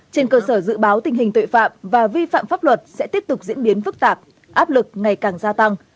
trên cơ sở dự báo tình hình tội phạm và vi phạm pháp luật sẽ tiếp tục diễn biến phức tạp áp lực ngày càng gia tăng